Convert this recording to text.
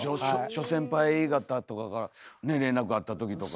諸先輩方とかから連絡あったときとかは。